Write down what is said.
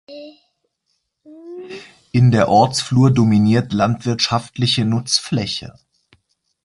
In der Ortsflur dominiert landwirtschaftliche Nutzfläche.